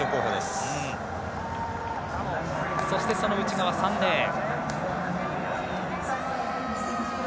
そして、内側３レーン。